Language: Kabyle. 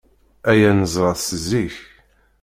Aya neẓra-t si zik.